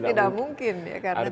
tidak mungkin ya karena itu merupakan